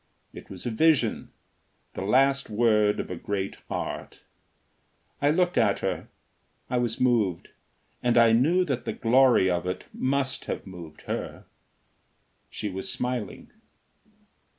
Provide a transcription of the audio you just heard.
It was a vision, the last word of a great art. I looked at her. I was moved, and I knew that the glory of it must have moved her. She was smiling.